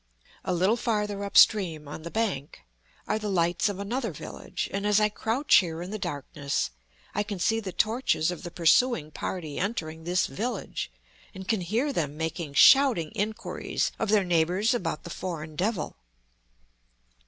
A little farther up stream, on the bank, are the lights of another village; and as I crouch here in the darkness I can see the torches of the pursuing party entering this village, and can hear them making shouting inquiries of their neighbors about the foreign devil.